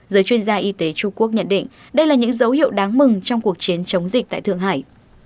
giới chuyên gia y tế trung quốc nhận định đây là những dấu hiệu đáng mừng trong cuộc chiến chống dịch tại thượng hải